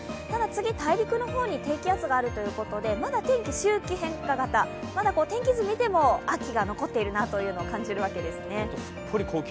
次、大陸の方に低気圧があるということでまだ天気、周期変化型、天気図を見ても秋が残っているなというのを感じるわけですね。